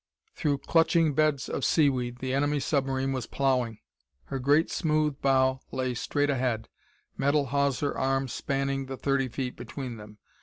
Through clutching beds of seaweed the enemy submarine was ploughing. Her great, smooth bow lay straight ahead, metal hawser arm spanning the thirty feet between them.